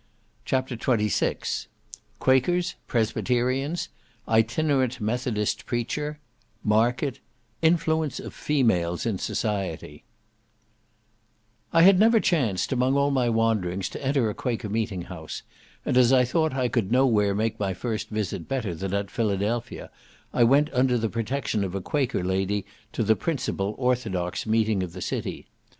CHAPTER XXVI Quakers—Presbyterians—Itinerant Methodist Preacher—Market—Influence of females in society I had never chanced, among all my wanderings, to enter a Quaker Meeting house; and as I thought I could no where make my first visit better than at Philadelphia, I went under the protection of a Quaker lady to the principal orthodox meeting of the city.